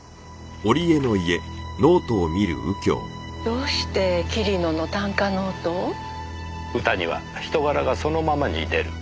どうして桐野の短歌ノートを？歌には人柄がそのままに出る。